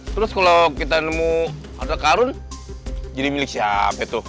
terus kalau kita nemu ada karun jadi milik siapa